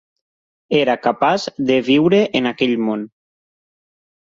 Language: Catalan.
Era capaç de viure en aquell món